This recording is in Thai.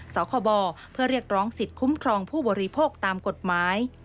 คบเพื่อเรียกร้องสิทธิ์คุ้มครองผู้บริโภคตามกฎหมาย